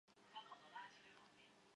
段氏出身于段部鲜卑家族。